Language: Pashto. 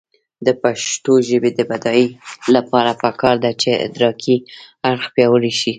د پښتو ژبې د بډاینې لپاره پکار ده چې ادراکي اړخ پیاوړی شي.